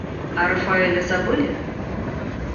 А Рафаэля забыли?